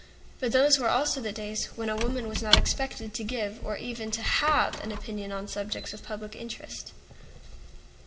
But those were also the days when a woman was not expected to give, or even to have, an opinion on subjects of public interest.